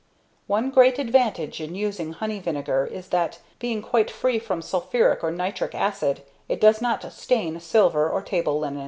One great advantage in using honey vinegar is that, being quite free from sulphuric or nitric acid, it does not stain silver or table linen.